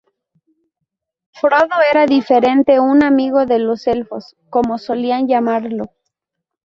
Frodo era diferente, un amigo de los elfos, como solían llamarlo.